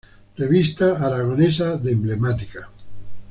Revista Aragonesa de Emblemática".